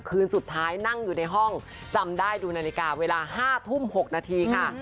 คืนสุดท้ายนั่งอยู่ในห้องจำได้ดูนาฬิกาเวลา๕ทุ่ม๖นาทีค่ะ